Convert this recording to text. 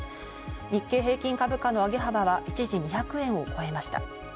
日経平均株価の上げ幅は一時２００円を超えました。